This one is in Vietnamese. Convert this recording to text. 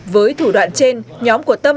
với thủ đoạn trên nhóm của tâm